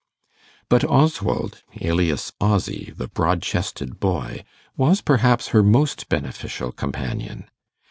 But Oswald, alias Ozzy, the broad chested boy, was perhaps her most beneficial companion.